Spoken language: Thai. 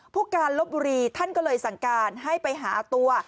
ผู้การลบบุรีท่านก็เลยสั่งการให้ไปหาตัว